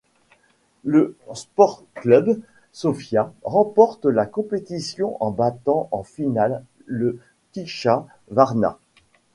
Le Sportklub Sofia remporte la compétition en battant en finale le Ticha Varna.